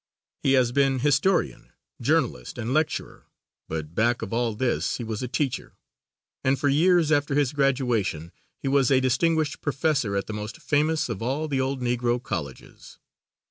He has been historian, journalist and lecturer, but back of all this he was a teacher; and for years after his graduation he was a distinguished professor at the most famous of all the old Negro colleges.